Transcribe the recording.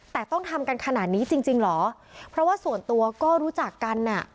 แต่ต้องทำกันขนาดนี้จริงจริงเหรอเพราะว่าส่วนตัวก็รู้จักกันอ่ะ